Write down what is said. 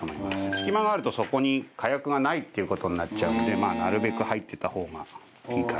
隙間があるとそこに火薬がないっていう事になっちゃうのでなるべく入ってた方がいいかなと思います。